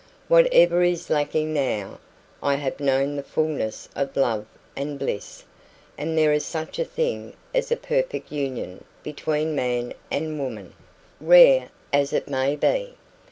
"Whatever is lacking now, I HAVE known the fullness of love and bliss that there is such a thing as a perfect union between man and woman, rare as it may be."